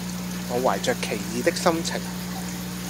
我懷著奇異的心情